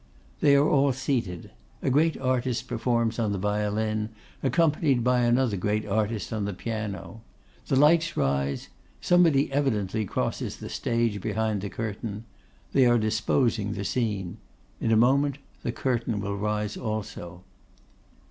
They are all seated; a great artist performs on the violin, accompanied by another great artist on the piano. The lights rise; somebody evidently crosses the stage behind the curtain. They are disposing the scene. In a moment the curtain will rise also.